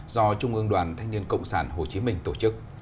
do trung ương đoàn thanh niên cộng sản hồ chí minh tổ chức